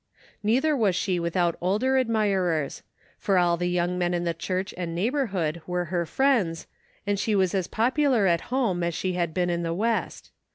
Neither was she without older admirers, for all the young men in the church and neighborhood were her friends, and she was as popular at home as she had been in the west.